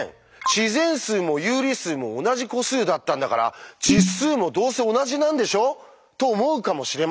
自然数も有理数も同じ個数だったんだから実数もどうせ同じなんでしょ」と思うかもしれません。